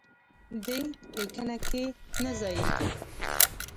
دې لیکنه کې نه ځایېږي.